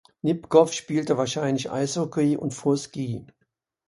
Nipkow spielte wahrscheinlich Eishockey und fuhr Ski.